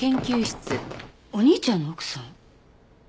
お兄ちゃんの奥さん？